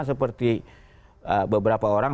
seperti beberapa orang